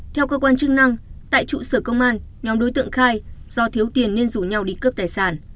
theo cơ quan chức năng tại trụ sở công an nhóm đối tượng khai do thiếu tiền nên rủ nhau đi cướp tài sản